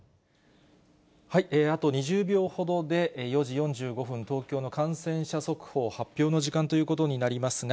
あと２０秒ほどで４時４５分、東京の感染者速報発表の時間ということになりますが、